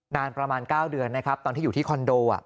นานประมาณ๙เดือนนะครับตอนที่อยู่ที่คอนโด